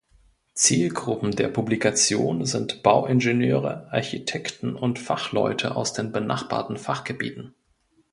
Zielgruppen der Publikation sind Bauingenieure, Architekten und Fachleute aus den benachbarten Fachgebieten.